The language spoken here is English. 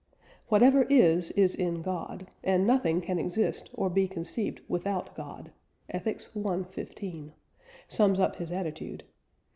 "Whatever is, is in God, and nothing can exist or be conceived without God" (Ethics i. 15) sums up his attitude.